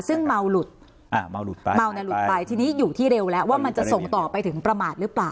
ซึ่งเมาหลุดทีนี้อยู่ที่เร็วแล้วว่ามันจะส่งต่อไปถึงประมาทหรือเปล่า